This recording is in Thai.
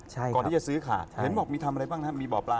ก่อนที่จะซื้อขาดเห็นบอกมีทำอะไรบ้างฮะมีบ่อปลา